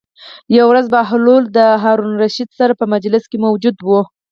یوه ورځ بهلول د هارون الرشید سره په مجلس کې موجود و.